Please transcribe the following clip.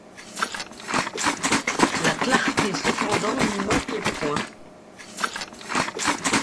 La clarté cependant n’y manquait point.